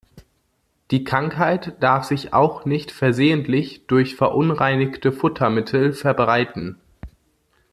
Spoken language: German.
Die Krankheit darf sich auch nicht versehentlich durch verunreinigte Futtermittel verbreiten.